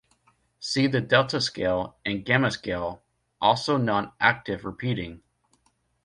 See the Delta scale and Gamma scale, also non-octave repeating.